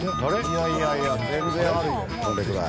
いやいやいや全然あるよこれぐらい。